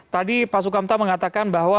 tadi pak sukamta mengatakan bahwa